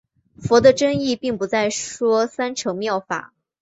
佛的真意并不再说三乘妙法。